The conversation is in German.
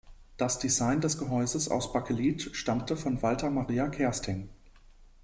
Das Design des Gehäuses aus Bakelit stammte von Walter Maria Kersting.